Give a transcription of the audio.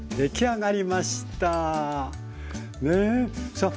さあ